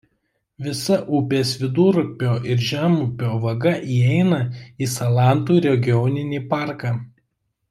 Visa upės vidurupio ir žemupio vaga įeina į Salantų regioninį parką.